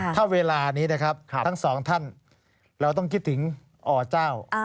ถ้าเวลานี้นะครับทั้งสองท่านเราต้องคิดถึงอเจ้า